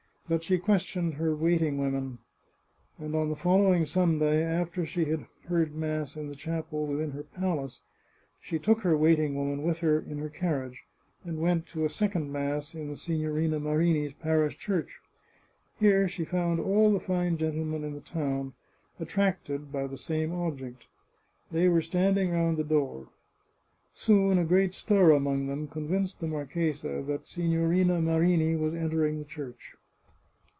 But she questioned her wait ing woman, and on the following Sunday, after she had heard mass in the chapel within her palace, she took her waiting woman with her in her carriage, and went to a second mass in the Signorina Marini's parish church. Here she found all the fine gentlemen in the town, attracted by the same object. They were standing round the door. Soon a great stir among them convinced the marchesa that Signorina Marini was entering the church.